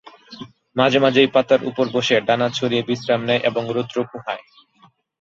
মাঝে মাঝেই পাতার ওপর বসে ডানা ছড়িয়ে বিশ্রাম নেয় এবং রৌদ্র পোহায়।